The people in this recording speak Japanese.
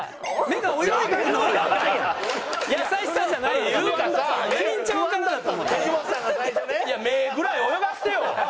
いや目ぐらい泳がせてよ。